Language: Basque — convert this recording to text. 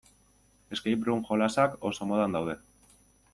Escape-room jolasak oso modan daude.